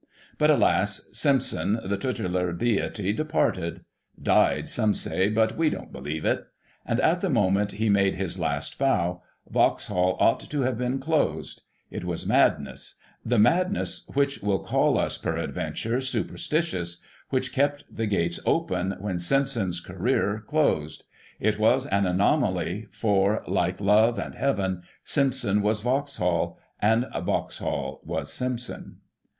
But, alas ! Simpson, the tutelar deity, departed (' died/ some say, but we don't believe it), and, at the moment he made his last bow, Vauxhall ought to have been closed ; it was madness — the madness which will call us, peradventure, super stitious — which kept the gates open when Simpson's career closed — it was an anomaly, for, like Love and Heaven, Simpson was Vauxhall, and Vauxhall was Simpson!